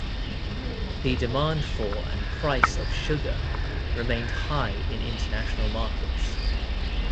The demand for and price of sugar remained high in international markets.